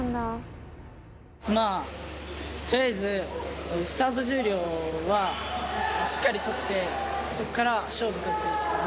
まあとりあえずスタート重量はしっかりとってそこから勝負かけていきます。